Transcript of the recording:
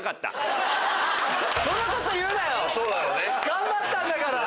頑張ったんだから！